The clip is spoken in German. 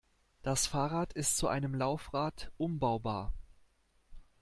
Das Fahrrad ist zu einem Laufrad umbaubar.